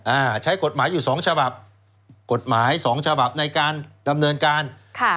อ่าใช้กฎหมายอยู่สองฉบับกฎหมายสองฉบับในการดำเนินการค่ะ